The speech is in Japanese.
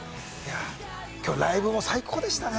今日ライブも最高でしたね。